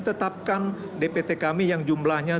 tetapkan dpt kami yang jumlahnya